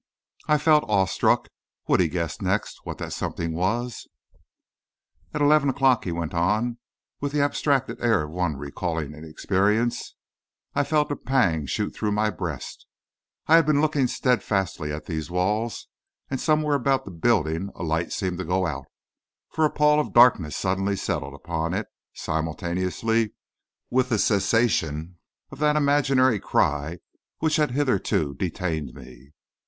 I felt awe struck. Would he guess next what that something was? "At eleven o'clock," he went on, with the abstracted air of one recalling an experience, "I felt a pang shoot through my breast. I had been looking steadfastly at these walls, and somewhere about the building a light seemed to go out, for a pall of darkness suddenly settled upon it, simultaneously with the cessation of that imaginary cry which had hitherto detained me.